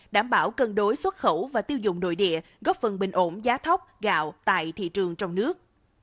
đảm bảo cân đối xuất khẩu và tiêu dùng nội địa góp phần bình ổn giá thóc gạo tại thị trường trong nước